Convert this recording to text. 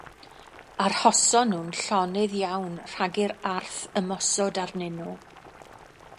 Arhoson nhw'n llonydd iawn rhag i'r arth ymosod arnyn nhw.